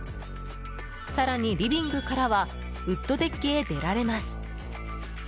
更にリビングからはウッドデッキへ出られます。